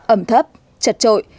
ẩm thấp chật trội